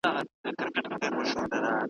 ارغوان پر سرو لمنو د کابل درته لیکمه ,